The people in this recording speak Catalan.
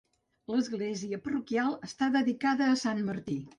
L'església parroquial està dedicada a Sant Martí.